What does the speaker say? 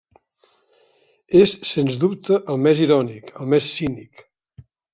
És sens dubte el més irònic, el més cínic.